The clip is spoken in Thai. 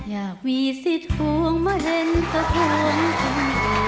อยากวิสิทธิ์หัวมาเล่นขอโทษคลำลืม